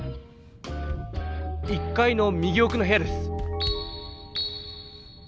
１かいの右奥の部屋です！